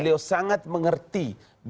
beliau sangat mengerti